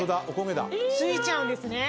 付いちゃうんですね。